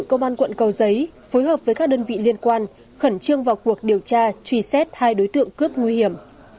công an quận cầu giấy phối hợp với các đơn vị liên quan khẩn trương vào cuộc điều tra truy xét hai đối tượng cướp nguy hiểm